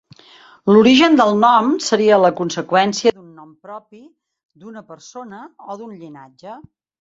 L'origen del nom seria la conseqüència d'un nom propi d'una persona o d'un llinatge.